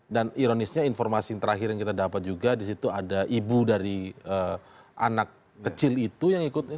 dan ironisnya informasi yang terakhir yang kita dapat juga disitu ada ibu dari anak kecil itu yang ikut